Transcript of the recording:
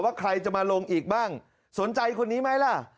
ใครจะมาลงอีกบ้างสนใจคนนี้ไหมล่ะ